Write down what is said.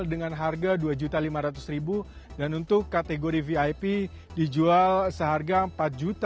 dengan harga rp dua lima ratus dan untuk kategori vip dijual seharga rp empat dua ratus lima puluh